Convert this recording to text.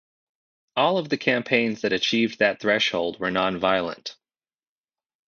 All of the campaigns that achieved that threshold were nonviolent.